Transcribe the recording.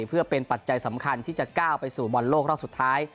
เพื่อเป็นปัจจัยสำคัญที่จะก้าวไปสู่บอลโลกรอบสุดท้าย